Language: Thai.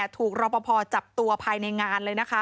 ถูกรองประพอจับตัวภายในงาน